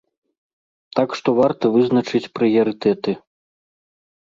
Так што варта вызначаць прыярытэты.